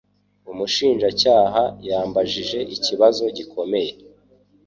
Umushinjacyaha yambajije ikibazo gikomeye.